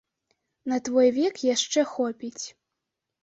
На твой век яшчэ хопіць.